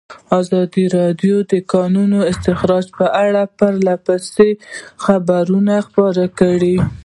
ازادي راډیو د د کانونو استخراج په اړه پرله پسې خبرونه خپاره کړي.